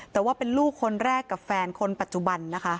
แต่ว่าเป็นลูกคนแรกกับแฟนคนปัจจุบันนะคะ